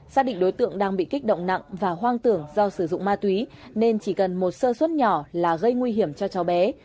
xác định đối tượng đang bị kích động nặng và hoang tưởng do sử dụng ma túy nên chỉ cần một sơ suất nhỏ là gây nguy hiểm cho cháu bé